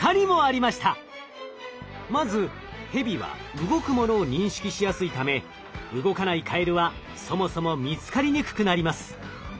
まずヘビは動くものを認識しやすいため動かないカエルはそもそも見つかりにくくなります。